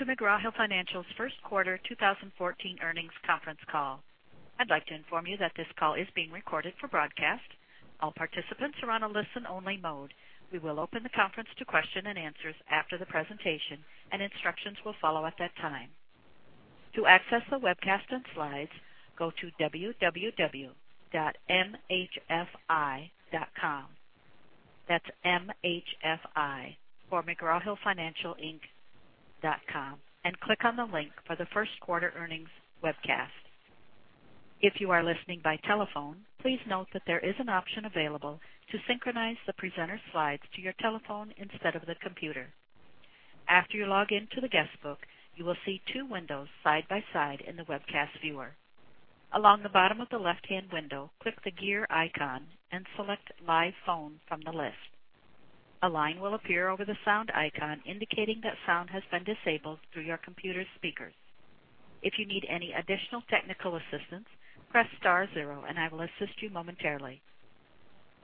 Welcome to McGraw Hill Financial's first quarter 2014 earnings conference call. I would like to inform you that this call is being recorded for broadcast. All participants are on a listen-only mode. We will open the conference to question and answers after the presentation, and instructions will follow at that time. To access the webcast and slides, go to www.mhfi.com. That's M-H-F-I for mcgrawhillfinancial.com and click on the link for the first quarter earnings webcast. If you are listening by telephone, please note that there is an option available to synchronize the presenter slides to your telephone instead of the computer. After you log in to the guest book, you will see two windows side by side in the webcast viewer. Along the bottom of the left-hand window, click the gear icon and select Live Phone from the list. A line will appear over the sound icon indicating that sound has been disabled through your computer speakers. If you need any additional technical assistance, press star zero and I will assist you momentarily.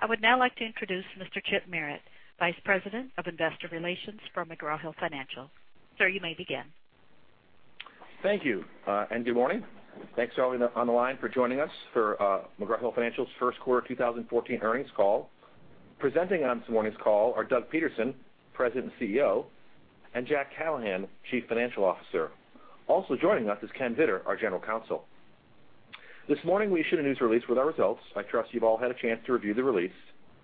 I would now like to introduce Mr. Chip Merritt, Vice President of Investor Relations for McGraw Hill Financial. Sir, you may begin. Thank you. Good morning. Thanks to all on the line for joining us for McGraw Hill Financial's first quarter 2014 earnings call. Presenting on this morning's call are Douglas Peterson, President and CEO, and Jack Callahan, Chief Financial Officer. Also joining us is Ken Vittor, our General Counsel. This morning we issued a news release with our results. I trust you have all had a chance to review the release.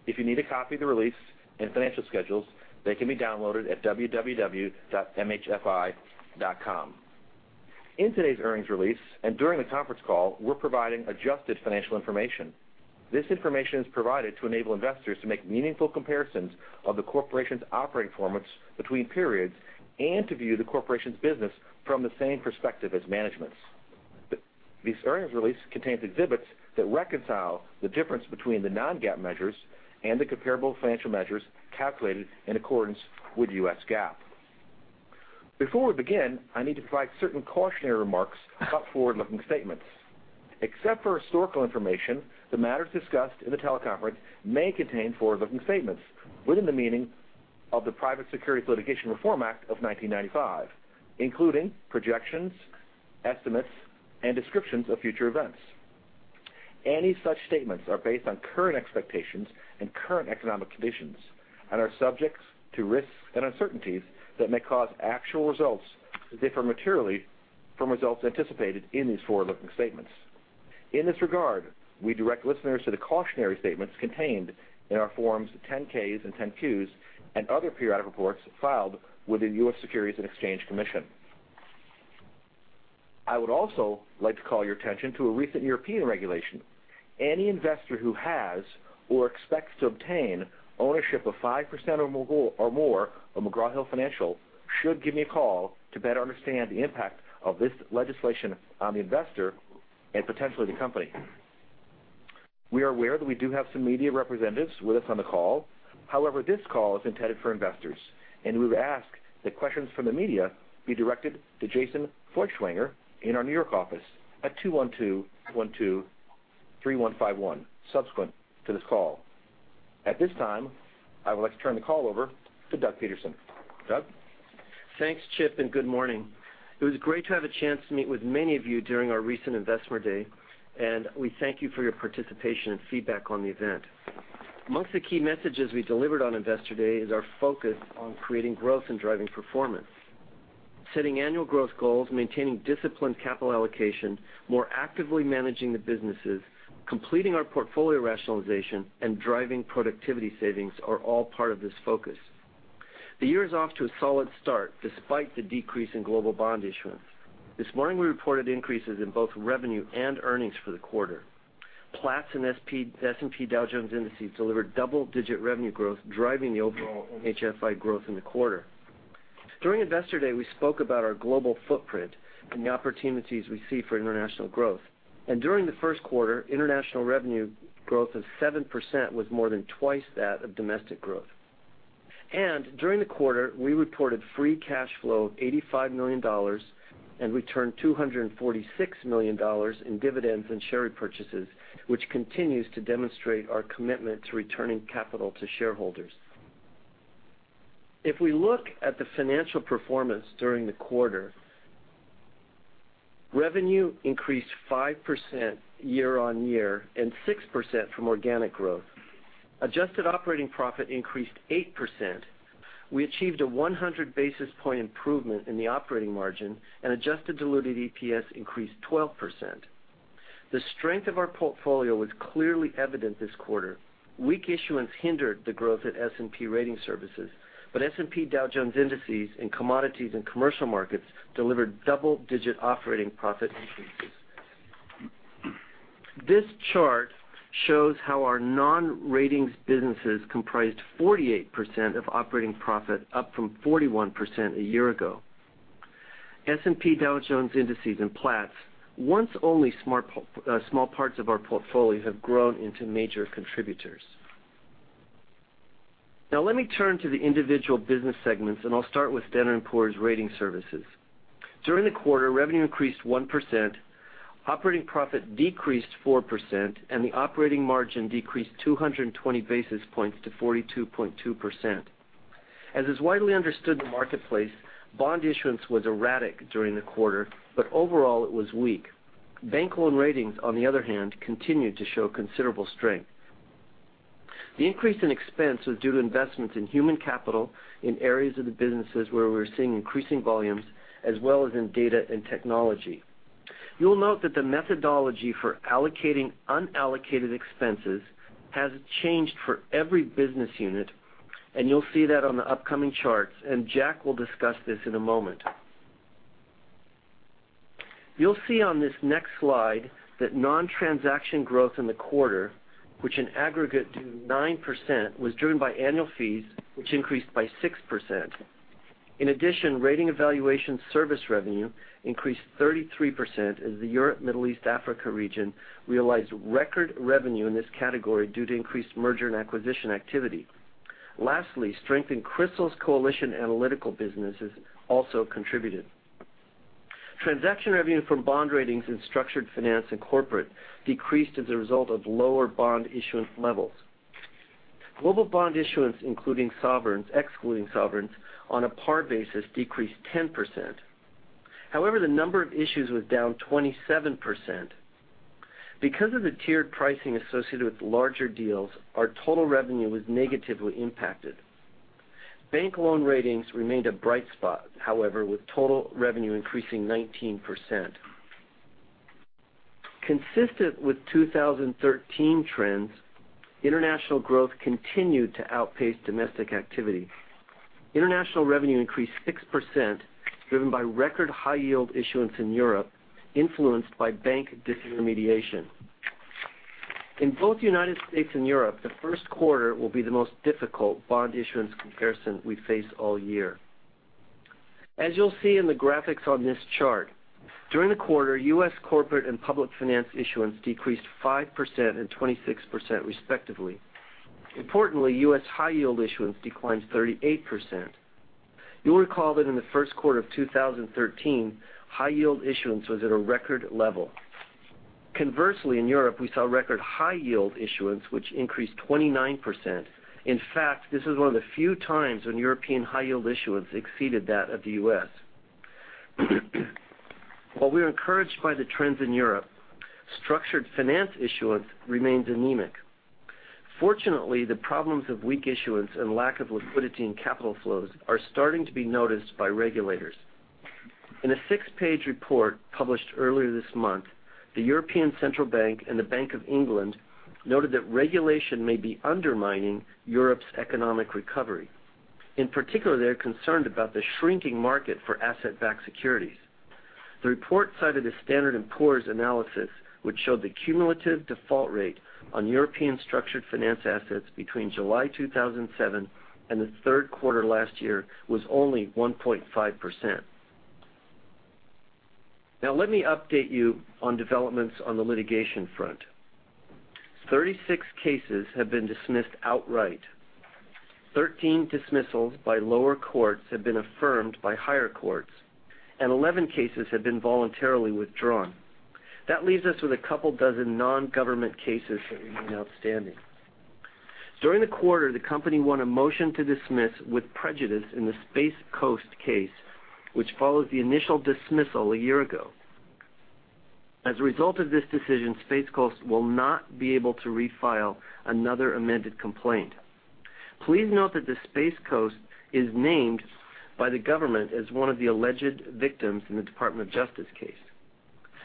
If you need a copy of the release and financial schedules, they can be downloaded at www.mhfi.com. In today's earnings release and during the conference call, we are providing adjusted financial information. This information is provided to enable investors to make meaningful comparisons of the corporation's operating performance between periods and to view the corporation's business from the same perspective as management's. This earnings release contains exhibits that reconcile the difference between the non-GAAP measures and the comparable financial measures calculated in accordance with U.S. GAAP. Before we begin, I need to provide certain cautionary remarks about forward-looking statements. Except for historical information, the matters discussed in the teleconference may contain forward-looking statements within the meaning of the Private Securities Litigation Reform Act of 1995, including projections, estimates, and descriptions of future events. Any such statements are based on current expectations and current economic conditions and are subject to risks and uncertainties that may cause actual results to differ materially from results anticipated in these forward-looking statements. In this regard, we direct listeners to the cautionary statements contained in our forms 10-Ks and 10-Qs and other periodic reports filed with the U.S. Securities and Exchange Commission. I would also like to call your attention to a recent European regulation. Any investor who has or expects to obtain ownership of 5% or more of McGraw Hill Financial should give me a call to better understand the impact of this legislation on the investor and potentially the company. We are aware that we do have some media representatives with us on the call. However, this call is intended for investors, and we would ask that questions from the media be directed to Jason Feuchtwanger in our New York office at 212-123-151 subsequent to this call. At this time, I would like to turn the call over to Douglas Peterson. Doug? Thanks, Chip, and good morning. It was great to have a chance to meet with many of you during our recent Investor Day, and we thank you for your participation and feedback on the event. Amongst the key messages we delivered on Investor Day is our focus on creating growth and driving performance. Setting annual growth goals, maintaining disciplined capital allocation, more actively managing the businesses, completing our portfolio rationalization, and driving productivity savings are all part of this focus. The year is off to a solid start despite the decrease in global bond issuance. This morning, we reported increases in both revenue and earnings for the quarter. Platts and S&P Dow Jones Indices delivered double-digit revenue growth, driving the overall MHFI growth in the quarter. During Investor Day, we spoke about our global footprint and the opportunities we see for international growth. During the first quarter, international revenue growth of 7% was more than twice that of domestic growth. During the quarter, we reported free cash flow of $85 million and returned $246 million in dividends and share repurchases, which continues to demonstrate our commitment to returning capital to shareholders. If we look at the financial performance during the quarter, revenue increased 5% year-over-year and 6% from organic growth. Adjusted operating profit increased 8%. We achieved a 100-basis-point improvement in the operating margin and adjusted diluted EPS increased 12%. The strength of our portfolio was clearly evident this quarter. Weak issuance hindered the growth at S&P Ratings Services, but S&P Dow Jones Indices and Commodities and Commercial Markets delivered double-digit operating profit increases. This chart shows how our non-ratings businesses comprised 48% of operating profit, up from 41% a year ago. S&P Dow Jones Indices and Platts, once only small parts of our portfolio, have grown into major contributors. Now let me turn to the individual business segments, and I'll start with Standard & Poor's Ratings Services. During the quarter, revenue increased 1%. Operating profit decreased 4%, and the operating margin decreased 220 basis points to 42.2%. As is widely understood in the marketplace, bond issuance was erratic during the quarter, but overall it was weak. Bank loan ratings, on the other hand, continued to show considerable strength. The increase in expense was due to investments in human capital in areas of the businesses where we're seeing increasing volumes, as well as in data and technology. You'll note that the methodology for allocating unallocated expenses hasn't changed for every business unit, and you'll see that on the upcoming charts, and Jack will discuss this in a moment. You'll see on this next slide that non-transaction growth in the quarter, which in aggregate to 9%, was driven by annual fees, which increased by 6%. In addition, rating evaluation service revenue increased 33% as the Europe, Middle East, Africa region realized record revenue in this category due to increased merger and acquisition activity. Lastly, strength in CRISIL's Coalition analytical businesses also contributed. Transaction revenue from bond ratings in structured finance and corporate decreased as a result of lower bond issuance levels. Global bond issuance, including sovereigns, excluding sovereigns, on a par basis, decreased 10%. However, the number of issues was down 27%. Because of the tiered pricing associated with larger deals, our total revenue was negatively impacted. Bank loan ratings remained a bright spot, however, with total revenue increasing 19%. Consistent with 2013 trends, international growth continued to outpace domestic activity. International revenue increased 6%, driven by record high yield issuance in Europe, influenced by bank disintermediation. In both U.S. and Europe, the first quarter will be the most difficult bond issuance comparison we face all year. As you'll see in the graphics on this chart, during the quarter, U.S. corporate and public finance issuance decreased 5% and 26%, respectively. Importantly, U.S. high yield issuance declined 38%. You'll recall that in the first quarter of 2013, high yield issuance was at a record level. Conversely, in Europe, we saw record high yield issuance, which increased 29%. In fact, this is one of the few times when European high yield issuance exceeded that of the U.S. While we're encouraged by the trends in Europe, structured finance issuance remains anemic. Fortunately, the problems of weak issuance and lack of liquidity and capital flows are starting to be noticed by regulators. In a six-page report published earlier this month, the European Central Bank and the Bank of England noted that regulation may be undermining Europe's economic recovery. In particular, they're concerned about the shrinking market for Asset-Backed Securities. The report cited a Standard & Poor's analysis, which showed the cumulative default rate on European structured finance assets between July 2007 and the third quarter last year was only 1.5%. Let me update you on developments on the litigation front. 36 cases have been dismissed outright. 13 dismissals by lower courts have been affirmed by higher courts, 11 cases have been voluntarily withdrawn. That leaves us with a couple dozen non-government cases that remain outstanding. During the quarter, the company won a motion to dismiss with prejudice in the Space Coast case, which follows the initial dismissal a year ago. As a result of this decision, Space Coast will not be able to refile another amended complaint. Please note that the Space Coast is named by the government as one of the alleged victims in the Department of Justice case.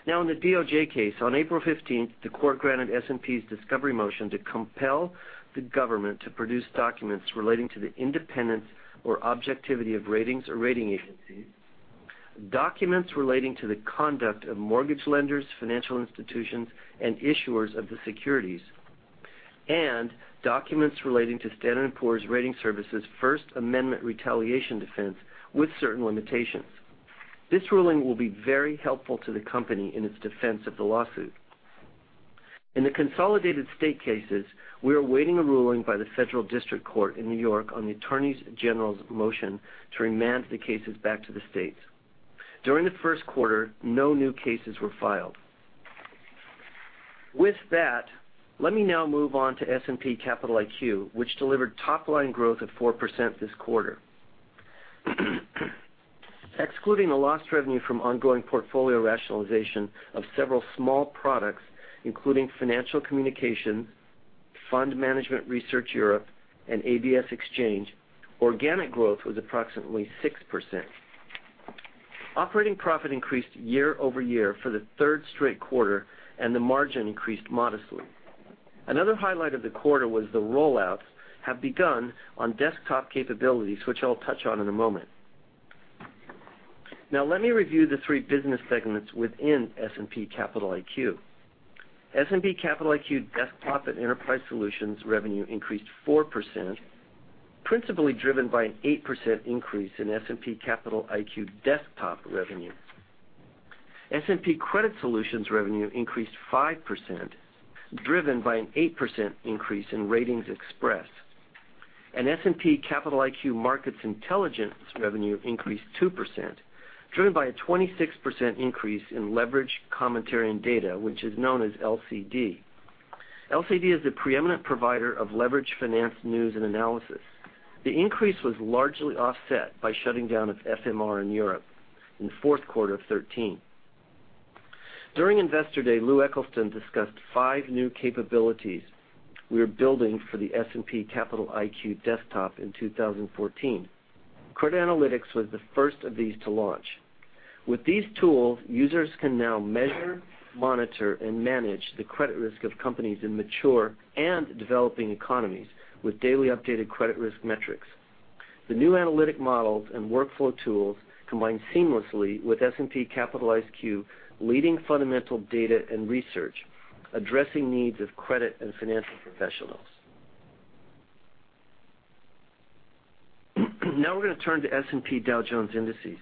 In the DOJ case, on April 15th, the court granted S&P's discovery motion to compel the government to produce documents relating to the independence or objectivity of ratings or rating agencies; documents relating to the conduct of mortgage lenders, financial institutions, and issuers of the securities; and documents relating to Standard & Poor's Ratings Services' First Amendment retaliation defense with certain limitations. This ruling will be very helpful to the company in its defense of the lawsuit. In the consolidated state cases, we are awaiting a ruling by the United States District Court in New York on the Attorneys General's motion to remand the cases back to the states. During the first quarter, no new cases were filed. Let me now move on to S&P Capital IQ, which delivered top-line growth of 4% this quarter. Excluding the lost revenue from ongoing portfolio rationalization of several small products, including Financial Communications, Fund Management Research Europe, and ABS Exchange, organic growth was approximately 6%. Operating profit increased year-over-year for the third straight quarter, and the margin increased modestly. Another highlight of the quarter was the rollouts have begun on desktop capabilities, which I'll touch on in a moment. Let me review the three business segments within S&P Capital IQ. S&P Capital IQ Desktop and Enterprise Solutions revenue increased 4%, principally driven by an 8% increase in S&P Capital IQ Desktop revenue. S&P Credit Solutions revenue increased 5%, driven by an 8% increase in RatingsXpress. S&P Global Market Intelligence revenue increased 2%, driven by a 26% increase in Leverage Commentary and Data, which is known as LCD. LCD is the preeminent provider of leverage finance news and analysis. The increase was largely offset by shutting down its FMR in Europe in the fourth quarter of 2013. During Investor Day, Lou Eccleston discussed five new capabilities we are building for the S&P Capital IQ desktop in 2014. Credit analytics was the first of these to launch. With these tools, users can now measure, monitor, and manage the credit risk of companies in mature and developing economies, with daily updated credit risk metrics. The new analytic models and workflow tools combine seamlessly with S&P Capital IQ, leading fundamental data and research, addressing needs of credit and financial professionals. We're going to turn to S&P Dow Jones Indices.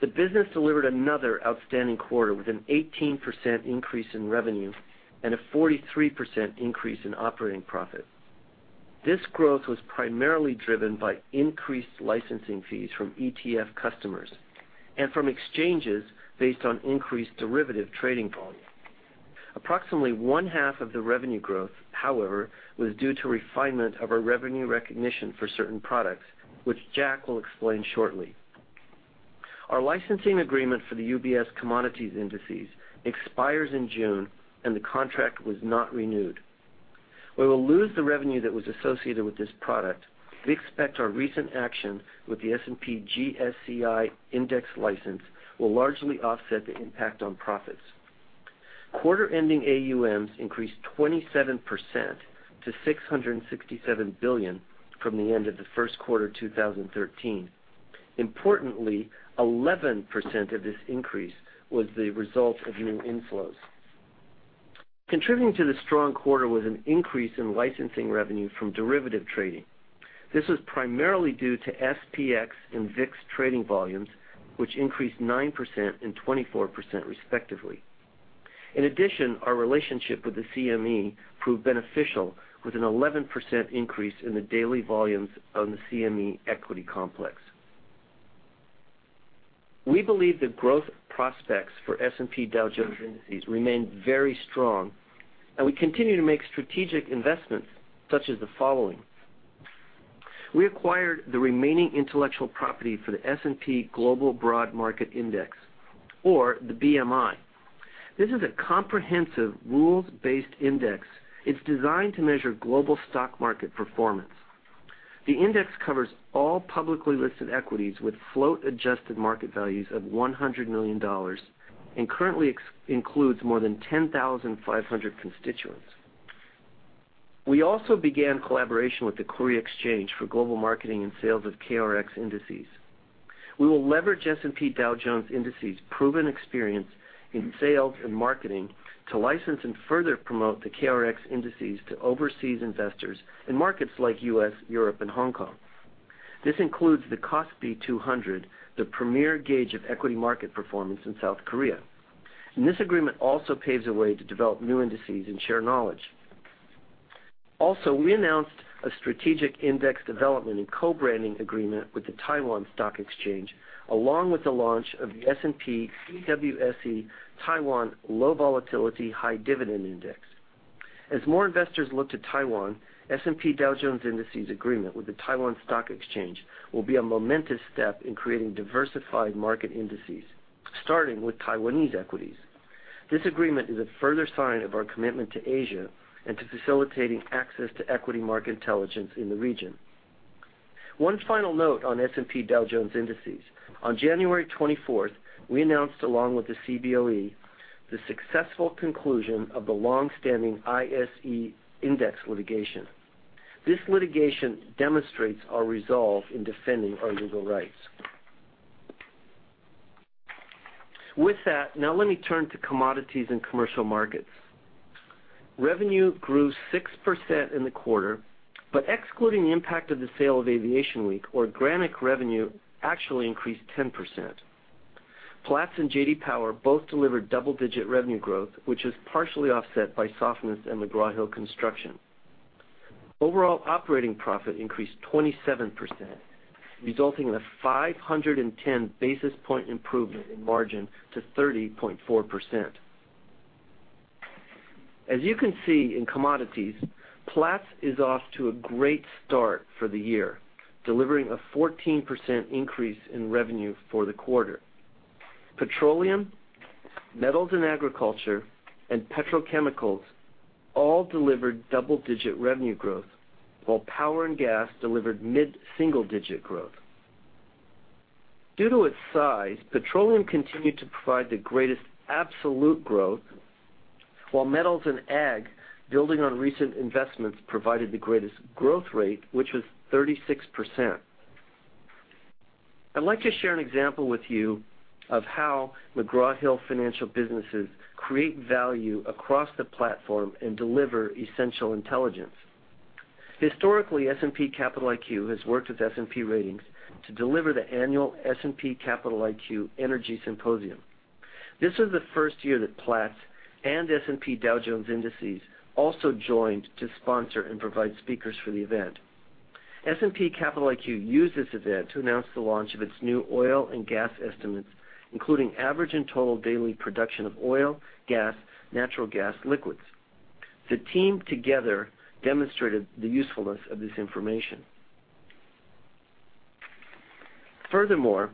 The business delivered another outstanding quarter, with an 18% increase in revenue and a 43% increase in operating profit. This growth was primarily driven by increased licensing fees from ETF customers and from exchanges based on increased derivative trading volume. Approximately one-half of the revenue growth, however, was due to refinement of our revenue recognition for certain products, which Jack will explain shortly. Our licensing agreement for the UBS Commodities Indices expires in June, and the contract was not renewed. We will lose the revenue that was associated with this product. We expect our recent action with the S&P GSCI index license will largely offset the impact on profits. Quarter-ending AUMs increased 27%, to $667 billion from the end of the first quarter 2013. Importantly, 11% of this increase was the result of new inflows. Contributing to the strong quarter was an increase in licensing revenue from derivative trading. This was primarily due to SPX and VIX trading volumes, which increased 9% and 24%, respectively. In addition, our relationship with the CME proved beneficial, with an 11% increase in the daily volumes on the CME equity complex. We believe the growth prospects for S&P Dow Jones Indices remain very strong, and we continue to make strategic investments such as the following. We acquired the remaining intellectual property for the S&P Global Broad Market Index, or the BMI. This is a comprehensive, rules-based index. It's designed to measure global stock market performance. The index covers all publicly listed equities with float-adjusted market values of $100 million and currently includes more than 10,500 constituents. We also began collaboration with the Korea Exchange for global marketing and sales of KRX indices. We will leverage S&P Dow Jones Indices' proven experience in sales and marketing to license and further promote the KRX indices to overseas investors in markets like U.S., Europe, and Hong Kong. This includes the KOSPI 200, the premier gauge of equity market performance in South Korea. This agreement also paves a way to develop new indices and share knowledge. We announced a strategic index development and co-branding agreement with the Taiwan Stock Exchange, along with the launch of the S&P/TWSE Taiwan Low Volatility High Dividend Index. As more investors look to Taiwan, S&P Dow Jones Indices' agreement with the Taiwan Stock Exchange will be a momentous step in creating diversified market indices, starting with Taiwanese equities. This agreement is a further sign of our commitment to Asia and to facilitating access to equity market intelligence in the region. One final note on S&P Dow Jones Indices. On January 24th, we announced, along with the CBOE, the successful conclusion of the longstanding ISE index litigation. This litigation demonstrates our resolve in defending our legal rights. With that, now let me turn to commodities and commercial markets. Revenue grew 6% in the quarter, but excluding the impact of the sale of Aviation Week or [Granick], revenue actually increased 10%. Platts and J.D. Power both delivered double-digit revenue growth, which is partially offset by softness in McGraw-Hill Construction. Overall operating profit increased 27%, resulting in a 510 basis point improvement in margin to 30.4%. As you can see in commodities, Platts is off to a great start for the year, delivering a 14% increase in revenue for the quarter. Petroleum, metals and agriculture, and petrochemicals all delivered double-digit revenue growth, while power and gas delivered mid-single digit growth. Due to its size, petroleum continued to provide the greatest absolute growth, while metals and ag, building on recent investments, provided the greatest growth rate, which was 36%. I'd like to share an example with you of how McGraw Hill Financial businesses create value across the platform and deliver essential intelligence. Historically, S&P Capital IQ has worked with S&P Ratings to deliver the annual S&P Capital IQ Energy Symposium. This was the first year that Platts and S&P Dow Jones Indices also joined to sponsor and provide speakers for the event. S&P Capital IQ used this event to announce the launch of its new oil and gas estimates, including average and total daily production of oil, gas, natural gas liquids. The team together demonstrated the usefulness of this information. Furthermore,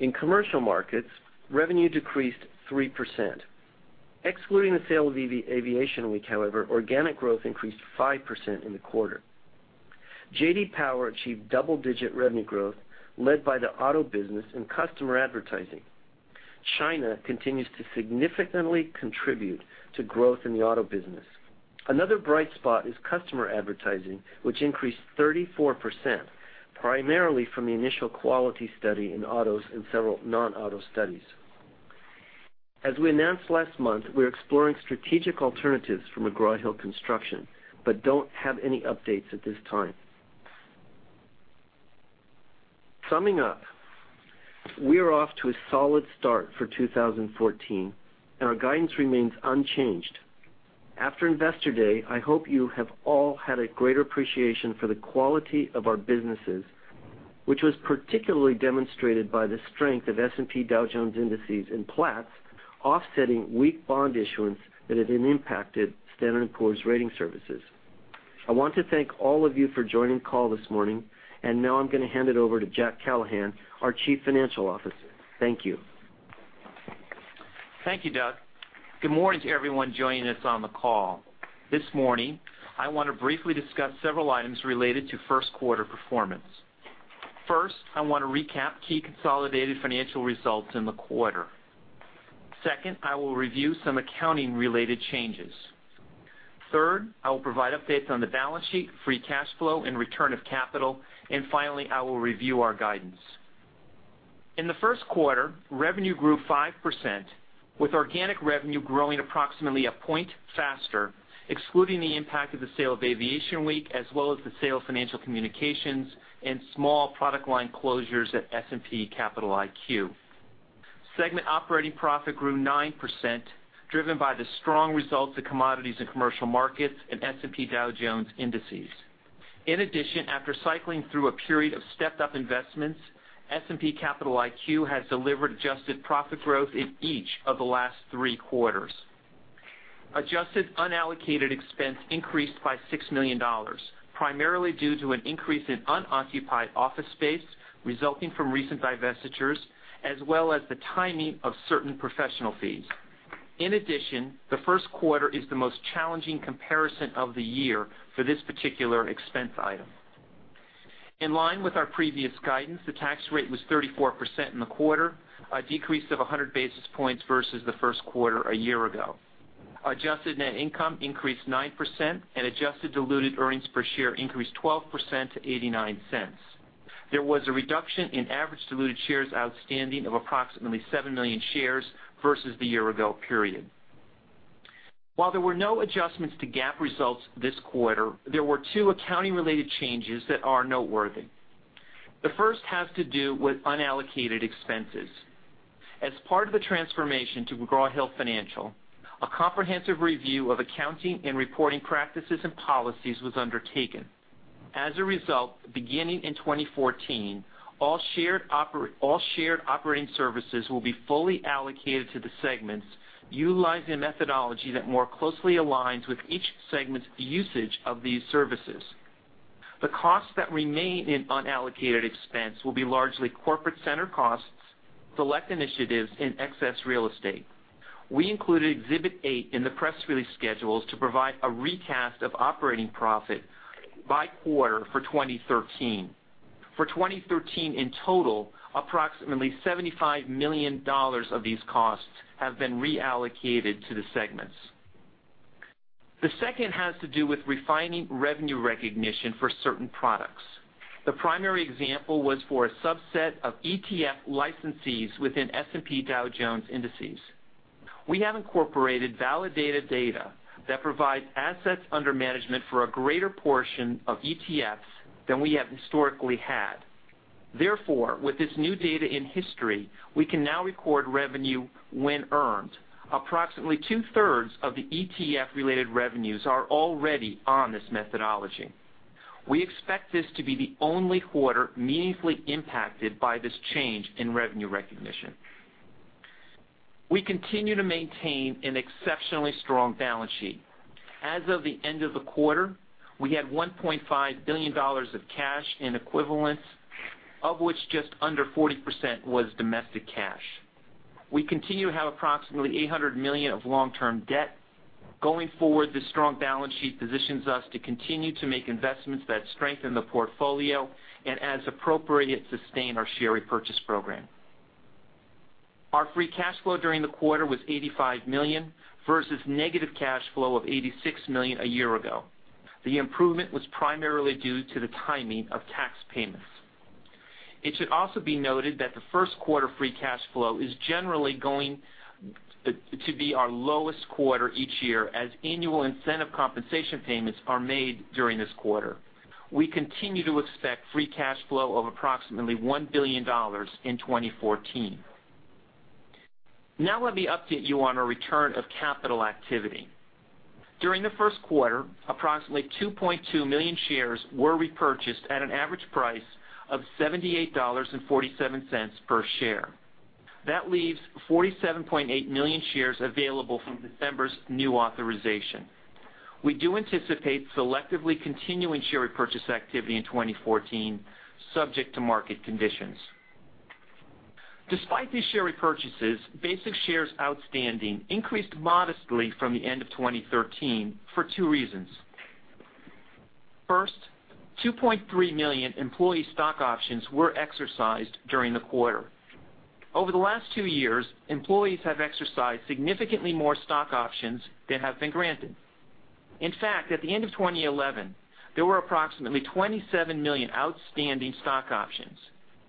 in commercial markets, revenue decreased 3%. Excluding the sale of Aviation Week, however, organic growth increased 5% in the quarter. J.D. Power achieved double-digit revenue growth led by the auto business and customer advertising. China continues to significantly contribute to growth in the auto business. Another bright spot is customer advertising, which increased 34%, primarily from the initial quality study in autos and several non-auto studies. As we announced last month, we're exploring strategic alternatives for McGraw-Hill Construction, but don't have any updates at this time. Summing up, we are off to a solid start for 2014, and our guidance remains unchanged. After Investor Day, I hope you have all had a greater appreciation for the quality of our businesses, which was particularly demonstrated by the strength of S&P Dow Jones Indices and Platts offsetting weak bond issuance that had impacted Standard & Poor's Ratings Services. I want to thank all of you for joining call this morning. Now I'm going to hand it over to Jack Callahan, our Chief Financial Officer. Thank you. Thank you, Doug. Good morning to everyone joining us on the call. This morning, I want to briefly discuss several items related to first quarter performance. First, I want to recap key consolidated financial results in the quarter. Second, I will review some accounting-related changes. Third, I will provide updates on the balance sheet, free cash flow, and return of capital. Finally, I will review our guidance. In the first quarter, revenue grew 5%, with organic revenue growing approximately a point faster, excluding the impact of the sale of Aviation Week, as well as the sale of Financial Communications and small product line closures at S&P Capital IQ. Segment operating profit grew 9%, driven by the strong results of commodities in commercial markets and S&P Dow Jones Indices. In addition, after cycling through a period of stepped-up investments, S&P Capital IQ has delivered adjusted profit growth in each of the last three quarters. Adjusted unallocated expense increased by $6 million, primarily due to an increase in unoccupied office space resulting from recent divestitures, as well as the timing of certain professional fees. In addition, the first quarter is the most challenging comparison of the year for this particular expense item. In line with our previous guidance, the tax rate was 34% in the quarter, a decrease of 100 basis points versus the first quarter a year ago. Adjusted net income increased 9%, and adjusted diluted earnings per share increased 12% to $0.89. There was a reduction in average diluted shares outstanding of approximately seven million shares versus the year-ago period. While there were no adjustments to GAAP results this quarter, there were two accounting-related changes that are noteworthy. The first has to do with unallocated expenses. As part of the transformation to McGraw Hill Financial, a comprehensive review of accounting and reporting practices and policies was undertaken. As a result, beginning in 2014, all shared operating services will be fully allocated to the segments, utilizing a methodology that more closely aligns with each segment's usage of these services. The costs that remain in unallocated expense will be largely corporate center costs, select initiatives, and excess real estate. We included Exhibit 8 in the press release schedules to provide a recast of operating profit by quarter for 2013. For 2013 in total, approximately $75 million of these costs have been reallocated to the segments. The second has to do with refining revenue recognition for certain products. The primary example was for a subset of ETF licensees within S&P Dow Jones Indices. We have incorporated validated data that provides assets under management for a greater portion of ETFs than we have historically had. With this new data in history, we can now record revenue when earned. Approximately two-thirds of the ETF-related revenues are already on this methodology. We expect this to be the only quarter meaningfully impacted by this change in revenue recognition. We continue to maintain an exceptionally strong balance sheet. As of the end of the quarter, we had $1.5 billion of cash in equivalents, of which just under 40% was domestic cash. We continue to have approximately $800 million of long-term debt. Going forward, this strong balance sheet positions us to continue to make investments that strengthen the portfolio and, as appropriate, sustain our share repurchase program. Our free cash flow during the quarter was $85 million versus negative cash flow of $86 million a year ago. The improvement was primarily due to the timing of tax payments. It should also be noted that the first quarter free cash flow is generally going to be our lowest quarter each year as annual incentive compensation payments are made during this quarter. We continue to expect free cash flow of approximately $1 billion in 2014. Let me update you on our return of capital activity. During the first quarter, approximately 2.2 million shares were repurchased at an average price of $78.47 per share. That leaves 47.8 million shares available from December's new authorization. We do anticipate selectively continuing share repurchase activity in 2014, subject to market conditions. Despite these share repurchases, basic shares outstanding increased modestly from the end of 2013 for two reasons. First, 2.3 million employee stock options were exercised during the quarter. Over the last two years, employees have exercised significantly more stock options than have been granted. In fact, at the end of 2011, there were approximately 27 million outstanding stock options.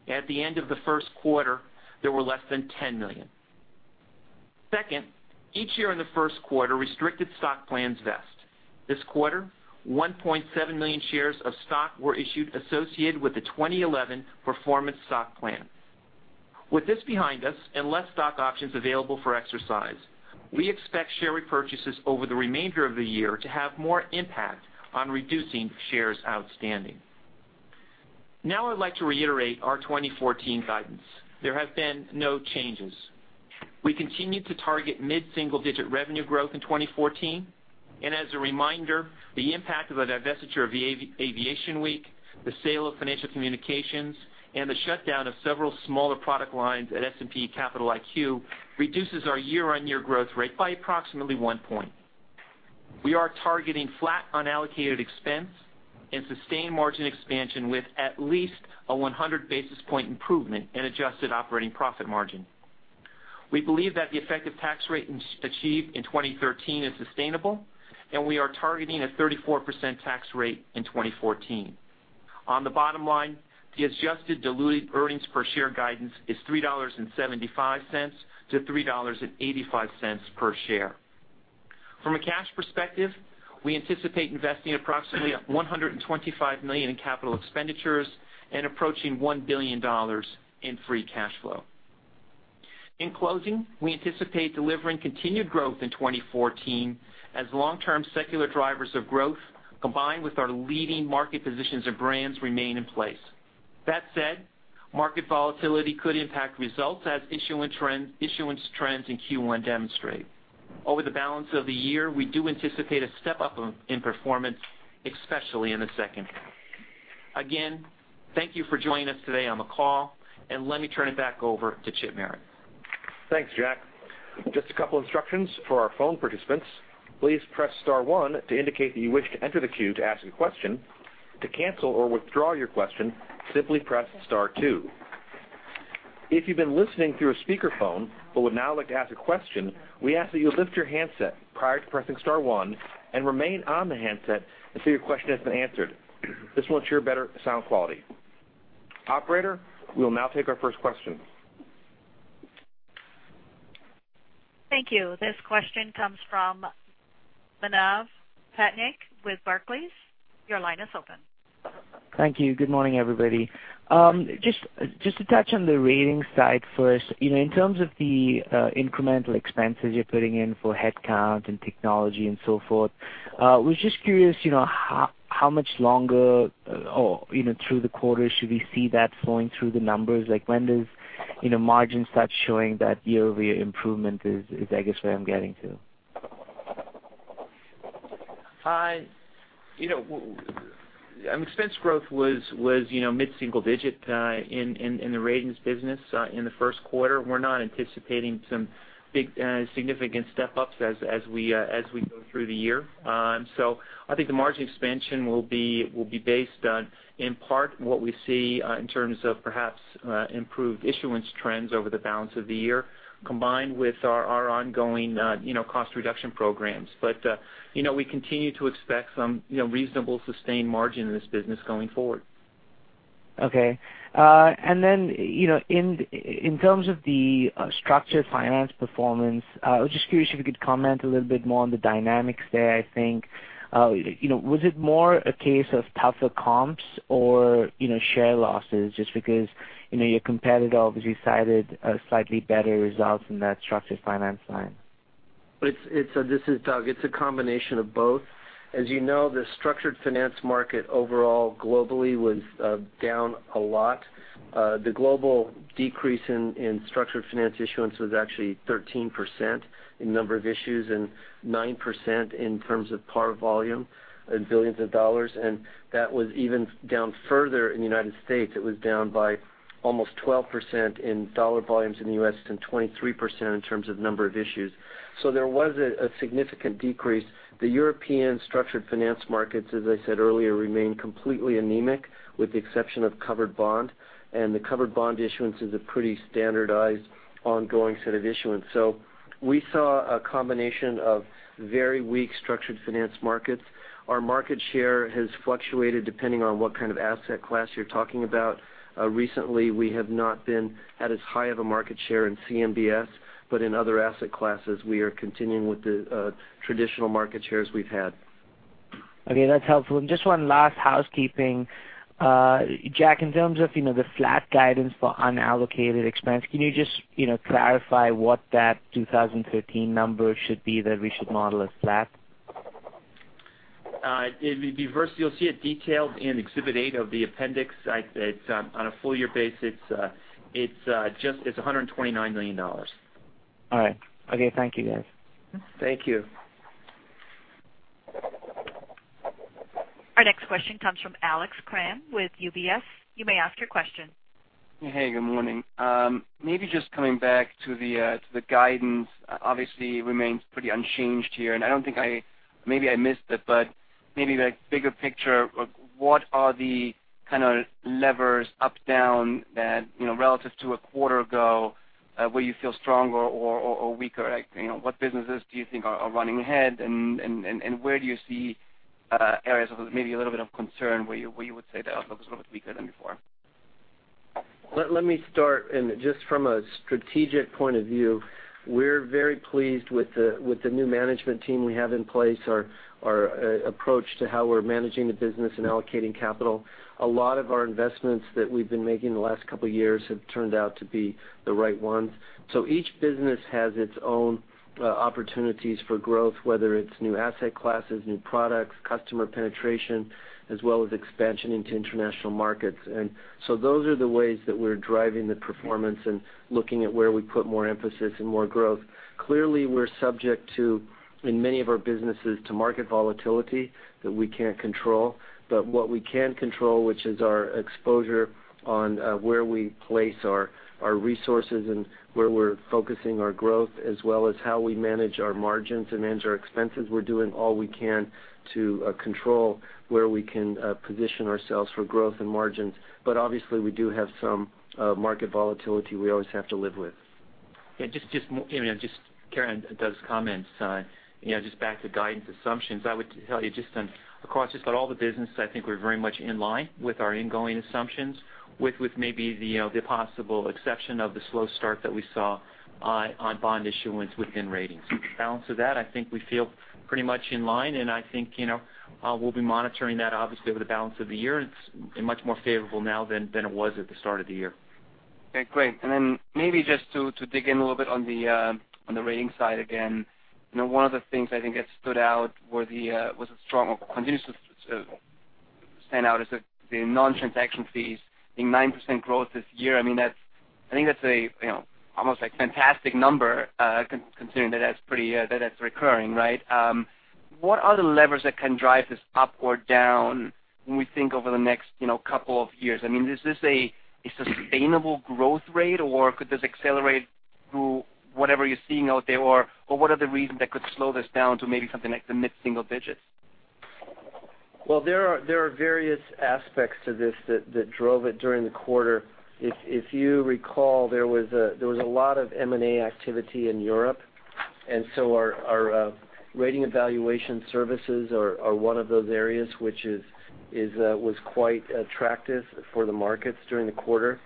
At the end of the first quarter, there were less than 10 million. Second, each year in the first quarter, restricted stock plans vest. This quarter, 1.7 million shares of stock were issued associated with the 2011 performance stock plan. With this behind us and less stock options available for exercise, we expect share repurchases over the remainder of the year to have more impact on reducing shares outstanding. I'd like to reiterate our 2014 guidance. There have been no changes. We continue to target mid-single-digit revenue growth in 2014. As a reminder, the impact of the divestiture of the Aviation Week, the sale of Financial Communications, and the shutdown of several smaller product lines at S&P Capital IQ reduces our year-on-year growth rate by approximately one point. We are targeting flat unallocated expense and sustained margin expansion with at least a 100 basis point improvement in adjusted operating profit margin. We believe that the effective tax rate achieved in 2013 is sustainable, and we are targeting a 34% tax rate in 2014. On the bottom line, the adjusted diluted earnings per share guidance is $3.75 to $3.85 per share. From a cash perspective, we anticipate investing approximately $125 million in capital expenditures and approaching $1 billion in free cash flow. In closing, we anticipate delivering continued growth in 2014 as long-term secular drivers of growth, combined with our leading market positions and brands remain in place. That said, market volatility could impact results as issuance trends in Q1 demonstrate. Over the balance of the year, we do anticipate a step up in performance, especially in the second half. Again, thank you for joining us today on the call, and let me turn it back over to Chip Merritt. Thanks, Jack. Just a couple instructions for our phone participants. Please press *1 to indicate that you wish to enter the queue to ask a question. To cancel or withdraw your question, simply press *2. If you've been listening through a speakerphone but would now like to ask a question, we ask that you lift your handset prior to pressing *1 and remain on the handset until your question has been answered. This will ensure better sound quality. Operator, we'll now take our first question. Thank you. This question comes from Manav Patnaik with Barclays. Your line is open. Thank you. Good morning, everybody. Just to touch on the ratings side first, in terms of the incremental expenses you're putting in for headcount and technology and so forth, I was just curious, how much longer through the quarter should we see that flowing through the numbers? When does margin start showing that year-over-year improvement is, I guess, where I'm getting to? Hi. Expense growth was mid-single digit in the Ratings business in the first quarter. We are not anticipating some big significant step-ups as we go through the year. I think the margin expansion will be based on, in part, what we see in terms of perhaps improved issuance trends over the balance of the year, combined with our ongoing cost reduction programs. We continue to expect some reasonable sustained margin in this business going forward. Okay. In terms of the structured finance performance, I was just curious if you could comment a little bit more on the dynamics there. I think, was it more a case of tougher comps or share losses? Just because your competitor obviously cited slightly better results in that structured finance line. This is Doug. It is a combination of both. As you know, the structured finance market overall globally was down a lot. The global decrease in structured finance issuance was actually 13% in number of issues and 9% in terms of par volume in billions of dollars, and that was even down further in the U.S. It was down by almost 12% in dollar volumes in the U.S. and 23% in terms of number of issues. There was a significant decrease. The European structured finance markets, as I said earlier, remain completely anemic, with the exception of covered bond, and the covered bond issuance is a pretty standardized, ongoing set of issuance. We saw a combination of very weak structured finance markets. Our market share has fluctuated depending on what kind of asset class you are talking about. Recently, we have not been at as high of a market share in CMBS. In other asset classes, we are continuing with the traditional market shares we have had. Okay, that's helpful. Just one last housekeeping. Jack, in terms of the flat guidance for unallocated expense, can you just clarify what that 2015 number should be that we should model as flat? It'd be reversed. You'll see it detailed in Exhibit 8 of the appendix. On a full year basis, it's $129 million. All right. Okay, thank you, guys. Thank you. Our next question comes from Alex Kramm with UBS. You may ask your question. Hey, good morning. Maybe just coming back to the guidance, obviously remains pretty unchanged here. Maybe I missed it, but maybe the bigger picture, what are the kind of levers up, down that, relative to a quarter ago, where you feel stronger or weaker? What businesses do you think are running ahead, and where do you see areas of maybe a little bit of concern where you would say the outlook is a little bit weaker than before? Let me start, just from a strategic point of view, we're very pleased with the new management team we have in place, our approach to how we're managing the business and allocating capital. A lot of our investments that we've been making the last couple of years have turned out to be the right ones. Each business has its own opportunities for growth, whether it's new asset classes, new products, customer penetration, as well as expansion into international markets. Those are the ways that we're driving the performance and looking at where we put more emphasis and more growth. Clearly, we're subject to, in many of our businesses, to market volatility that we can't control. What we can control, which is our exposure on where we place our resources and where we're focusing our growth, as well as how we manage our margins and manage our expenses. We're doing all we can to control where we can position ourselves for growth and margins. Obviously, we do have some market volatility we always have to live with. Just carrying on Doug's comments, just back to guidance assumptions. I would tell you just on, across just about all the business, I think we're very much in line with our ingoing assumptions, with maybe the possible exception of the slow start that we saw on bond issuance within Ratings. Balance of that, I think we feel pretty much in line, I think we'll be monitoring that obviously over the balance of the year. It's much more favorable now than it was at the start of the year. Okay, great. Then maybe just to dig in a little bit on the ratings side again. One of the things I think that stood out was a strong or continuous stand out is the non-transaction fees seeing 9% growth this year. I think that's almost a fantastic number, considering that that's recurring, right? What are the levers that can drive this up or down when we think over the next couple of years? I mean, is this a sustainable growth rate, or could this accelerate through whatever you're seeing out there? Or what are the reasons that could slow this down to maybe something like the mid-single digits? Well, there are various aspects to this that drove it during the quarter. If you recall, there was a lot of M&A activity in Europe, so our rating evaluation services are one of those areas which was quite attractive for the markets during the quarter.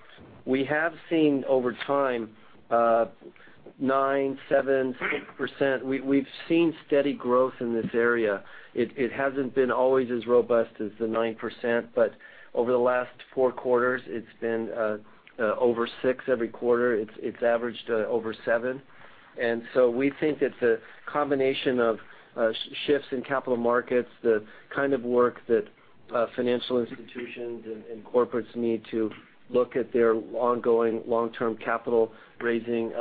We have seen over time, 9%, 7%, 6%. We've seen steady growth in this area. It hasn't been always as robust as the 9%, but over the last four quarters, it's been over 6%. Every quarter, it's averaged over 7%. So we think it's a combination of shifts in capital markets, the kind of work that financial institutions and corporates need to look at their ongoing long-term capital raising.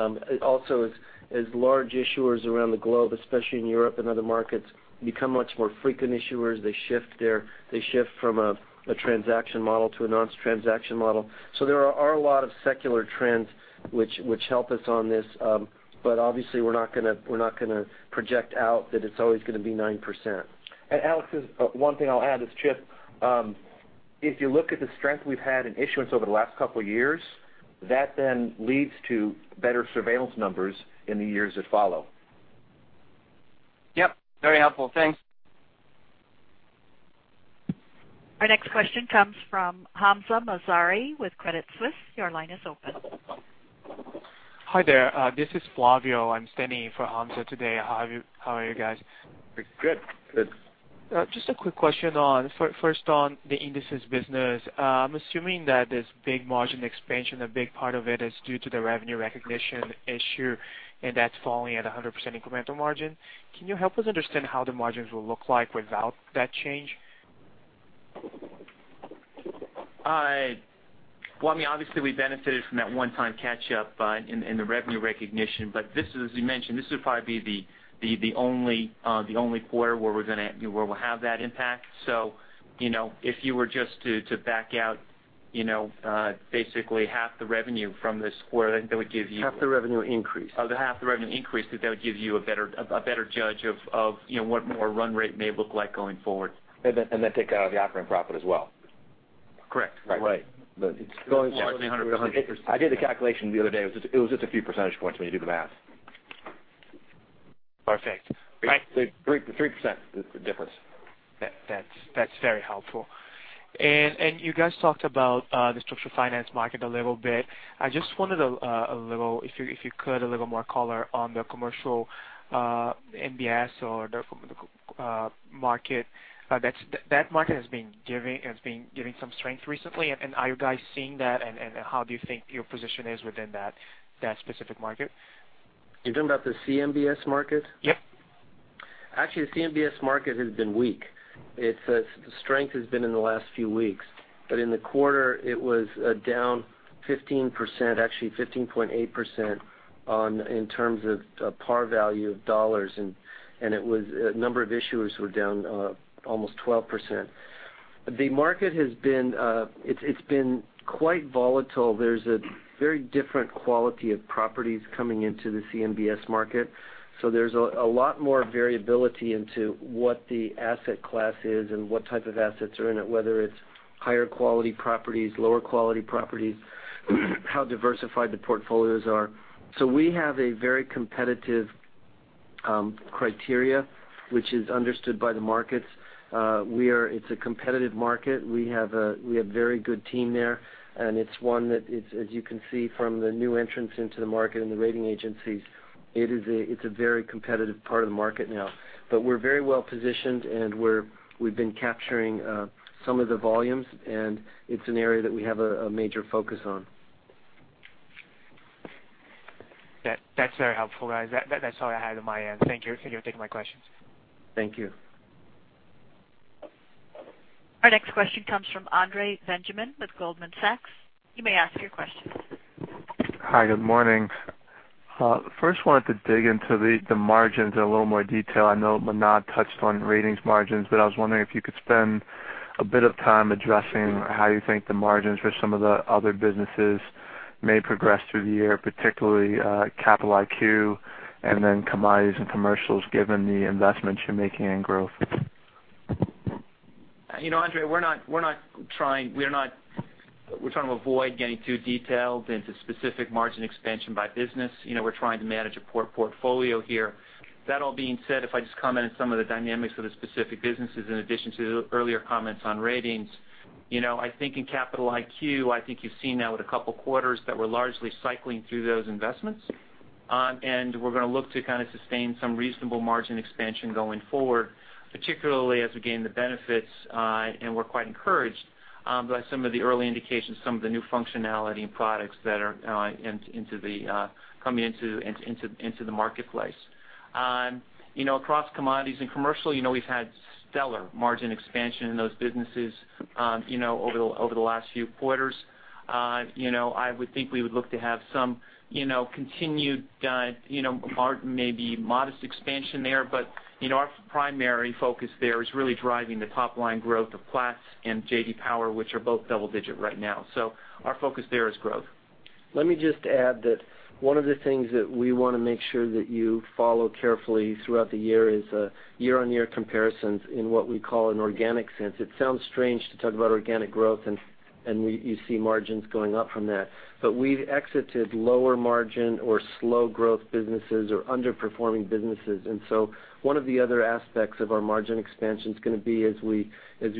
Also, as large issuers around the globe, especially in Europe and other markets, become much more frequent issuers. They shift from a transaction model to a non-transaction model. There are a lot of secular trends which help us on this. Obviously, we're not going to project out that it's always going to be 9%. Alex, one thing I'll add it's Chip, if you look at the strength we've had in issuance over the last couple of years, that then leads to better surveillance numbers in the years that follow. Yep, very helpful. Thanks. Our next question comes from Hamzah Mazari with Credit Suisse. Your line is open. Hi there. This is Flavio. I'm standing in for Hamzah today. How are you guys? Good. Good. Just a quick question first on the indices business. I'm assuming that this big margin expansion, a big part of it is due to the revenue recognition issue, and that's falling at 100% incremental margin. Can you help us understand how the margins will look like without that change? obviously we benefited from that one-time catch up in the revenue recognition. As we mentioned, this would probably be the only quarter where we'll have that impact. If you were just to back out basically half the revenue from this quarter, that would give you- Half the revenue increase. The half the revenue increase, that would give you a better judge of what more run rate may look like going forward. Take that out of the operating profit as well. Correct. Right. It's going from 100 to I did the calculation the other day. It was just a few percentage points when you do the math. Perfect. Right. 3% is the difference. That's very helpful. You guys talked about the structured finance market a little bit. I just wanted, if you could, a little more color on the commercial MBS or the market. That market has been giving some strength recently. Are you guys seeing that, and how do you think your position is within that specific market? You're talking about the CMBS market? Yes. Actually, the CMBS market has been weak. Its strength has been in the last few weeks. In the quarter, it was down 15%, actually 15.8%, in terms of par value of dollars, and a number of issuers were down almost 12%. The market has been quite volatile. There's a very different quality of properties coming into the CMBS market. There's a lot more variability into what the asset class is and what type of assets are in it, whether it's higher quality properties, lower quality properties, how diversified the portfolios are. We have a very competitive criteria, which is understood by the markets. It's a competitive market. We have a very good team there, and it's one that is, as you can see from the new entrants into the market and the rating agencies, it's a very competitive part of the market now. We're very well-positioned, and we've been capturing some of the volumes, and it's an area that we have a major focus on. That's very helpful, guys. That's all I had on my end. Thank you for taking my questions. Thank you. Our next question comes from Andre Benjamin with Goldman Sachs. You may ask your question. Hi, good morning. First, wanted to dig into the margins in a little more detail. I know Manav touched on ratings margins, but I was wondering if you could spend a bit of time addressing how you think the margins for some of the other businesses may progress through the year, particularly Capital IQ, and then commodities and commercials, given the investments you're making in growth. Andre, we're trying to avoid getting too detailed into specific margin expansion by business. We're trying to manage a portfolio here. That all being said, if I just comment on some of the dynamics of the specific businesses in addition to the earlier comments on ratings. I think in S&P Capital IQ, I think you've seen now with a couple of quarters that we're largely cycling through those investments. We're going to look to sustain some reasonable margin expansion going forward, particularly as we gain the benefits. We're quite encouraged by some of the early indications, some of the new functionality and products that are coming into the marketplace. Across commodities and commercial, we've had stellar margin expansion in those businesses over the last few quarters. I would think we would look to have some continued, maybe modest expansion there. Our primary focus there is really driving the top-line growth of Platts and J.D. Power, which are both double-digit right now. Our focus there is growth. Let me just add that one of the things that we want to make sure that you follow carefully throughout the year is year-over-year comparisons in what we call an organic sense. It sounds strange to talk about organic growth and you see margins going up from that. We've exited lower margin or slow growth businesses or underperforming businesses. One of the other aspects of our margin expansion is going to be as we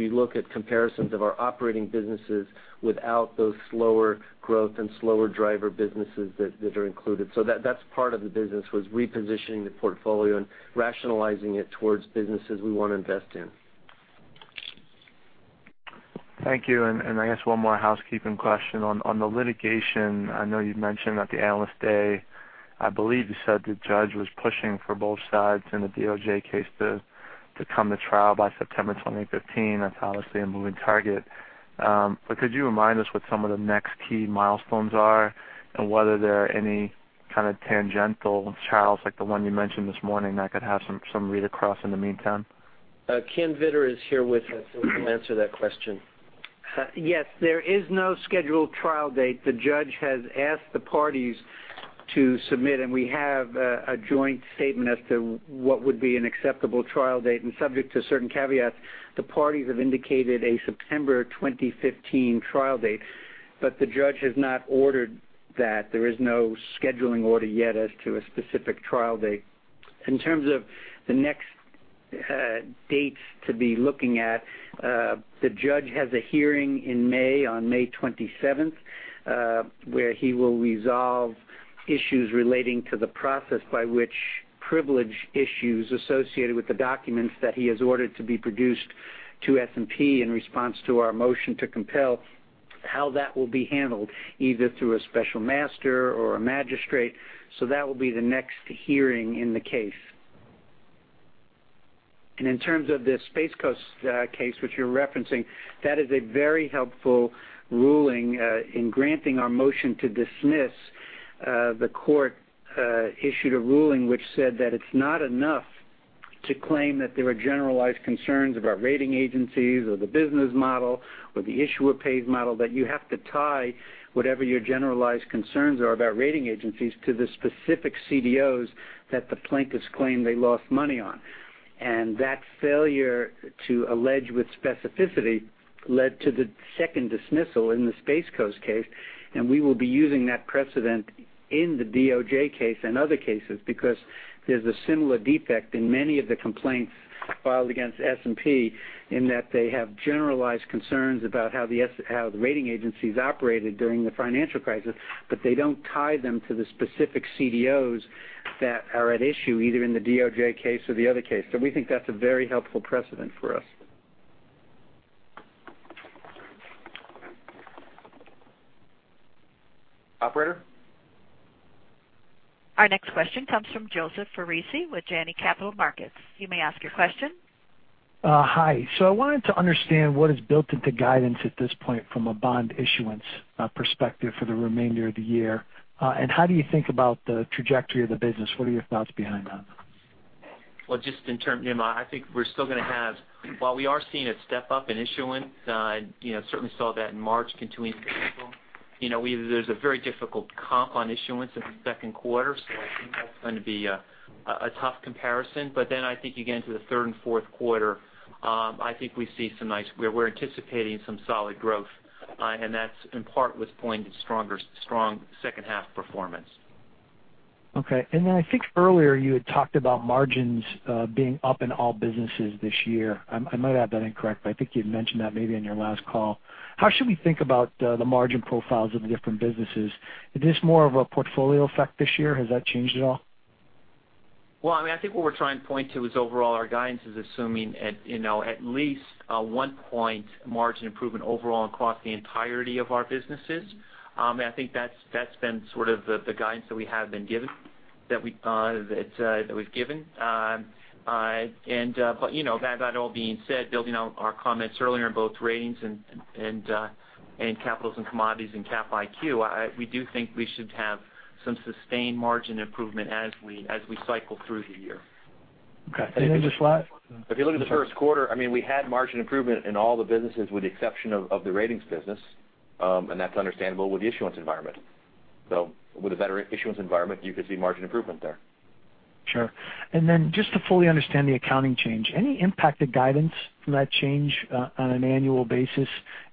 look at comparisons of our operating businesses without those slower growth and slower driver businesses that are included. That's part of the business, was repositioning the portfolio and rationalizing it towards businesses we want to invest in. Thank you. I guess one more housekeeping question. On the litigation, I know you've mentioned at the Analyst Day, I believe you said the judge was pushing for both sides in the DOJ case to come to trial by September 2015. That's obviously a moving target. Could you remind us what some of the next key milestones are, and whether there are any kind of tangential trials like the one you mentioned this morning that could have some read-across in the meantime? Ken Vittor is here with us. He can answer that question. Yes. There is no scheduled trial date. The judge has asked the parties to submit, we have a joint statement as to what would be an acceptable trial date. Subject to certain caveats, the parties have indicated a September 2015 trial date. The judge has not ordered that. There is no scheduling order yet as to a specific trial date. In terms of the next dates to be looking at, the judge has a hearing in May, on May 27th, where he will resolve issues relating to the process by which privilege issues associated with the documents that he has ordered to be produced to S&P in response to our motion to compel, how that will be handled, either through a special master or a magistrate. That will be the next hearing in the case. In terms of the Space Coast case, which you're referencing, that is a very helpful ruling. In granting our motion to dismiss, the court issued a ruling which said that it's not enough to claim that there are generalized concerns about rating agencies or the business model or the issuer pays model. You have to tie whatever your generalized concerns are about rating agencies to the specific CDOs that the plaintiffs claim they lost money on. That failure to allege with specificity led to the second dismissal in the Space Coast case. We will be using that precedent in the DOJ case and other cases because there's a similar defect in many of the complaints Filed against S&P, in that they have generalized concerns about how the rating agencies operated during the financial crisis. They don't tie them to the specific CDOs that are at issue, either in the DOJ case or the other case. We think that's a very helpful precedent for us. Operator? Our next question comes from Joseph Foresi with Janney Montgomery Scott. You may ask your question. Hi. I wanted to understand what is built into guidance at this point from a bond issuance perspective for the remainder of the year. How do you think about the trajectory of the business? What are your thoughts behind that? I think we're still going to have While we are seeing a step up in issuance, certainly saw that in March continuing into April. There's a very difficult comp on issuance in the second quarter, I think that's going to be a tough comparison. I think you get into the third and fourth quarter, I think we're anticipating some solid growth. That's in part what's pulling strong second half performance. Okay. I think earlier you had talked about margins being up in all businesses this year. I might have that incorrect, but I think you'd mentioned that maybe on your last call. How should we think about the margin profiles of the different businesses? Is this more of a portfolio effect this year? Has that changed at all? I think what we're trying to point to is overall our guidance is assuming at least a one-point margin improvement overall across the entirety of our businesses. I think that's been sort of the guidance that we've given. That all being said, building on our comments earlier on both ratings and capitals and commodities and Cap IQ, we do think we should have some sustained margin improvement as we cycle through the year. Okay. Then just last- If you look at the first quarter, we had margin improvement in all the businesses with the exception of the ratings business. That's understandable with the issuance environment. With a better issuance environment, you could see margin improvement there. Sure. Then just to fully understand the accounting change, any impact to guidance from that change on an annual basis?